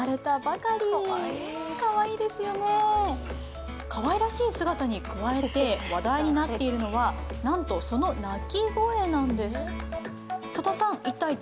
かわいらしい姿に加えて話題になっているのはなんとその鳴き声なんです。